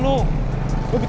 lu ngerti apa